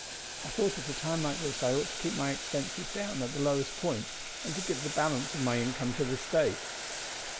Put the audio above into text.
I thought at a time like this I ought to keep my expenses down at the lowest point, and to give the balance of my income to the State."